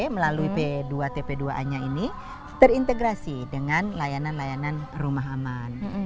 melalui p dua tp dua a nya ini terintegrasi dengan layanan layanan rumah aman